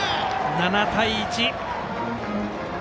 ７対１。